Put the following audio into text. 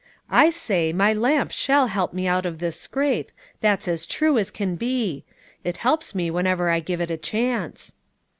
I say, my lamp shall help me out of this scrape, that's as true as can be; it helps me whenever I give it a chance."